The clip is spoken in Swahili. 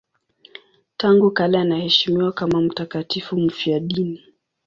Tangu kale anaheshimiwa kama mtakatifu mfiadini.